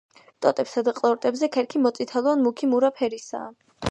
ტოტებსა და ყლორტებზე ქერქი მოწითალო ან მუქი მურა ფერისაა.